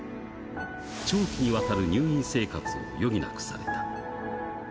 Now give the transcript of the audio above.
長期にわたる入院生活を余儀なくされた。